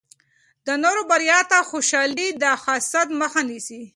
د نورو بریا ته خوشحالي د حسد مخه نیسي.